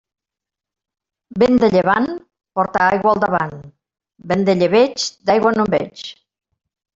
Vent de llevant, porta aigua al davant; vent de llebeig, d'aigua no en veig.